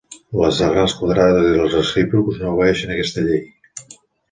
Les arrels quadrades i els recíprocs no obeeixen aquesta llei.